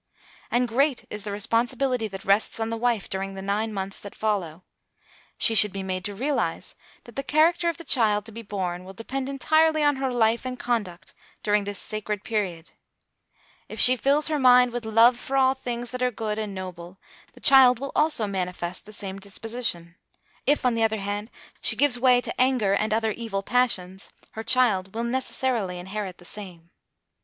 And great is the responsibility that rests on the wife during the nine months that follow. She should be made to realise that the character of the child to be born will depend entirely on her life and conduct during this sacred period. If she fills her mind with love for all things that are good and noble, the child will also manifest the same disposition; if, on the other hand, she gives way to anger and other evil passions, her child will necessarily inherit the same.